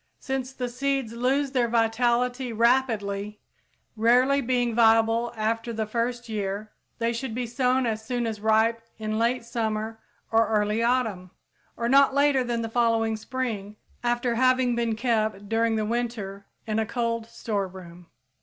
_ Since the seeds lose their vitality rapidly, rarely being viable after the first year, they should be sown as soon as ripe in late summer or early autumn, or not later than the following spring after having been kept during the winter in a cold storeroom.